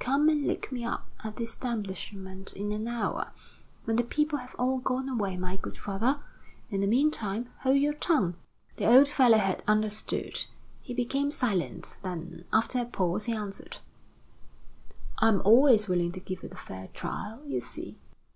Come and look me up at the establishment in an hour, when the people have all gone away, my good father. In the meantime, hold your tongue." The old fellow had understood. He became silent, then, after a pause, he answered: "I'm always willing to give it a fair trial. You'll see."